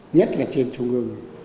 nhất là trên trung ương